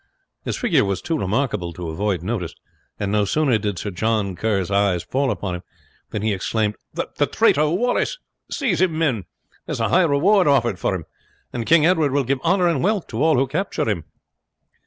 His figure was too remarkable to avoid notice; and no sooner did Sir John Kerr's eye fall upon him than he exclaimed, "The traitor Wallace! Seize him, men; there is a high reward offered for him; and King Edward will give honour and wealth to all who capture him."